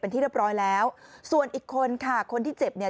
เป็นที่เรียบร้อยแล้วส่วนอีกคนค่ะคนที่เจ็บเนี่ย